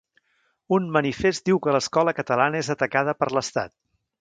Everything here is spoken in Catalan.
Un manifest diu que l'escola catalana és atacada per l'estat